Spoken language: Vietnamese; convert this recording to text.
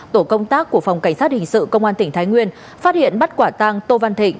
tổ công tác của phòng cảnh sát hình sự công an tỉnh thái nguyên phát hiện bắt quả tăng tô văn thịnh